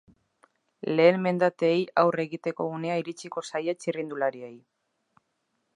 Lehen mendateei aurre egiteko unea iritsiko zaie txirrindulariei.